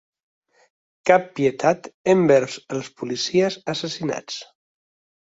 Cap pietat envers els policies assassins!